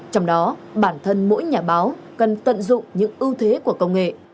trong đó bản thân mỗi nhà báo cần tận dụng những ưu thế của công nghệ